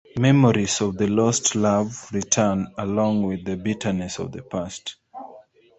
Memories of the lost love return along with the bitterness of the past.